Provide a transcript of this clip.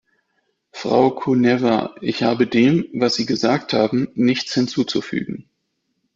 Frau Kuneva, ich habe dem, was Sie gesagt haben, nichts hinzuzufügen.